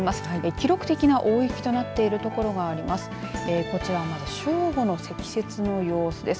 記録的な大雪となっている所があります。